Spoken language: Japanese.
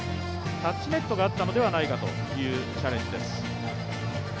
タッチネットがあったのではないかというチャレンジです。